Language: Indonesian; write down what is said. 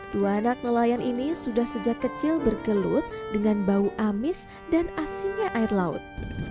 dua anak nelayan ini sudah sejak kecil bergelut dengan bau amis dan asinnya air laut